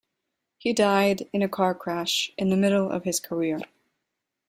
He died in a car crash in the middle of his career.